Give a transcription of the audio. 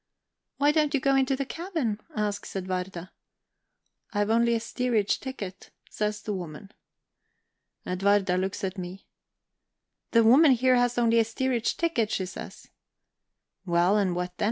'Why don't you go into the cabin?' asks Edwarda. 'I've only a steerage ticket,' says the woman. Edwarda looks at me. 'The woman here has only a steerage ticket,' she says. 'Well, and what then?'